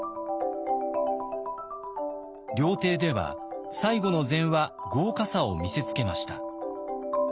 料亭では最後の膳は豪華さを見せつけました。